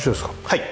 はい。